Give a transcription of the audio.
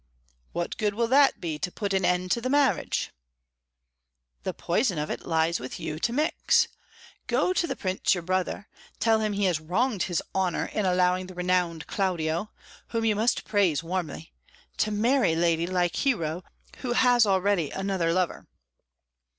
"What good will that be to put an end to the marriage?" "The poison of it lies with you to mix. Go to the Prince your brother, tell him he has wronged his honour in allowing the renowned Claudio whom you must praise warmly to marry lady like Hero, who has already another lover."